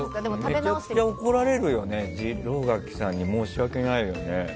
めちゃくちゃ怒られるね次郎柿さんに申し訳ないね。